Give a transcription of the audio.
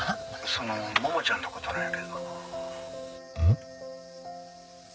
「その桃ちゃんの事なんやけど」ん？